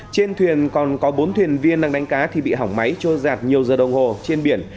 trên thuyền còn có bốn thuyền viên đang đánh cá thì bị hỏng máy trôi giạt nhiều giờ đồng hồ trên biển